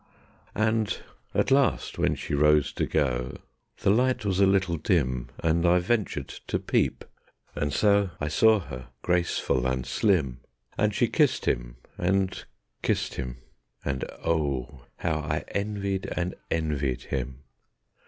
And at last when she rose to go, The light was a little dim, And I ventured to peep, and so I saw her, graceful and slim, And she kissed him and kissed him, and oh How I envied and envied him!